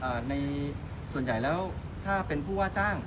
เพราะฉะนั้นเนี่ยส่วนใหญ่แล้วถ้าเป็นผู้ว่าจ้าง